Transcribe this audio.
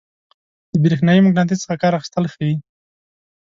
د برېښنايي مقناطیس څخه کار اخیستل ښيي.